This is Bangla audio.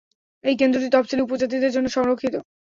এই কেন্দ্রটি তফসিলী উপজাতিদের জন্য সংরক্ষিত।